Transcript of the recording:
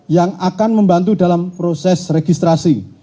yang akan membantu dalam proses registrasi